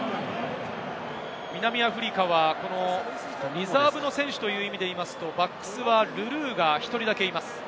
南アフリカはリザーブの選手という意味でいうと、バックスはルルーが１人だけいます。